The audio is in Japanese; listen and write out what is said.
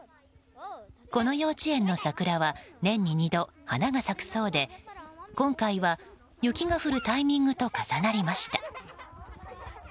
この幼稚園の桜は年に２度、花が咲くそうで今回は雪が降るタイミングと重なりました。